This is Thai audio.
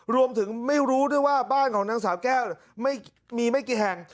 ไม่รู้ด้วยว่าบ้านของนางสาวแก้วมีไม่กี่แห่ง